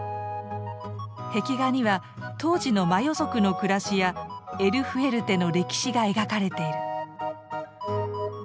壁画には当時のマヨ族の暮らしやエル・フエルテの歴史が描かれてる。